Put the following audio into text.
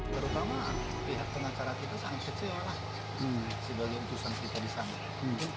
terutama pihak pengacara kita sangat kecewa sebagai utusan kita disana